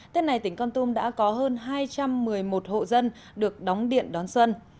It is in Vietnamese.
tết này tỉnh con tum đã có hơn hai trăm một mươi một hộ dân được đóng điện đón xuân